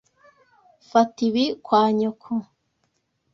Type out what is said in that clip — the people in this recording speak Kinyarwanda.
Fata ibi kwa nyoko.